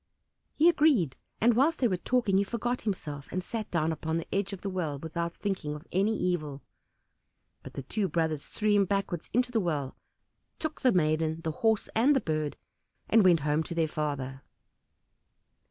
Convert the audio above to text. He agreed, and whilst they were talking he forgot himself, and sat down upon the edge of the well without thinking of any evil. But the two brothers threw him backwards into the well, took the maiden, the Horse, and the Bird, and went home to their father.